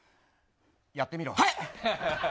やってみろ。